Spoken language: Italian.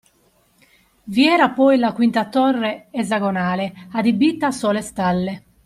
Vi era poi la quinta torre, esagonale, adibita a sole stalle